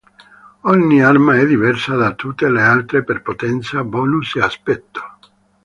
Ogni arma è diversa da tutte le altre per potenza, bonus e aspetto.